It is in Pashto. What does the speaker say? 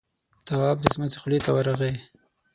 تواب د سمڅې خولې ته ورغی.